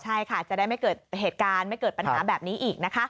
ใช่ค่ะจะได้ไม่เกิดเหตุการณ์ไม่เกิดปัญหาแบบนี้อีกนะคะ